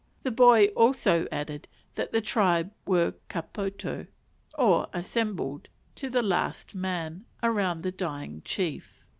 The boy also added that the tribe were ka poto, or assembled, to the last man, around the dying chief.